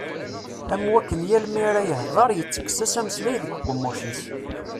Am wakken yal mi ara d-yehder yettekkes-as ameslay deg uqemmuc-is.